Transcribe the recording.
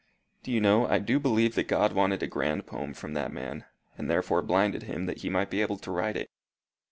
Do you know, I do believe that God wanted a grand poem from that man, and therefore blinded him that he might be able to write it.